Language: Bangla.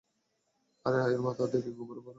আরে, এর মাথায় দেখি গোবরপোড়া।